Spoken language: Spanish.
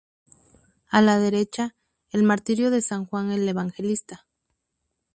A la derecha, el martirio de san Juan el Evangelista.